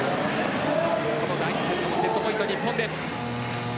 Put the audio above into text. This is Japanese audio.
第２セット、セットポイント日本です。